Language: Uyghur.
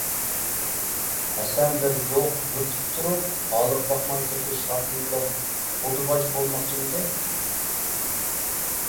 ھەسەن بىر يوق يۇرتلۇق تۇرۇپ ھالىغا باقماي تېخى شاھىم بىلەن قۇدا باجا بولماقچىمىكەن؟